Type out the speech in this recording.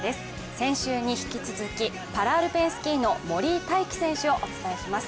先週に引き続きパラアルペンスキーの森井大輝選手をお伝えします。